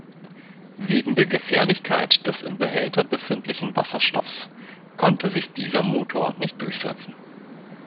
Wegen der Gefährlichkeit des im Behälter befindlichen Wasserstoffs konnte sich dieser Motor nicht durchsetzen.